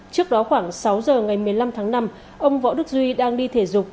trước đó khoảng sáu giờ ngày một mươi năm tháng năm ông võ đức duy đang đi thể dục